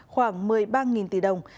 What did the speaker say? khoảng một mươi ba tỷ đồng